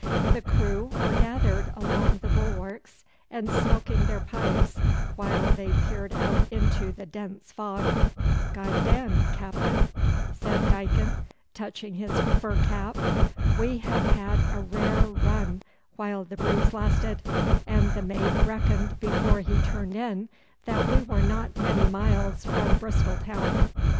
The crew were gathered along the bulwarks and smoking their pipes while they peered out into the dense fog. 'God den, Captain,' said Dicon, touching his fur cap. 'We have had a rare run while the breeze lasted, and the mate reckoned before he turned in that we were not many miles from Bristol town.